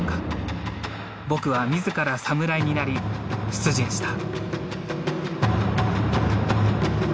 僕は自ら侍になり出陣した。